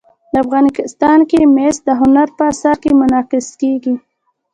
افغانستان کې مس د هنر په اثار کې منعکس کېږي.